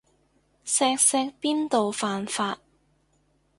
錫錫邊度犯法